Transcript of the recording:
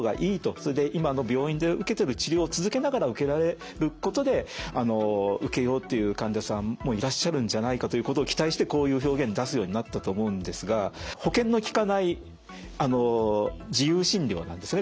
それで今の病院で受けてる治療を続けながら受けられることで受けようっていう患者さんもいらっしゃるんじゃないかということを期待してこういう表現出すようになったと思うんですが保険のきかない自由診療なんですね。